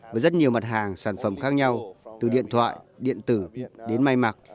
với rất nhiều mặt hàng sản phẩm khác nhau từ điện thoại điện tử đến may mặc